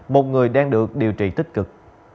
một người đang được điều trị tích cực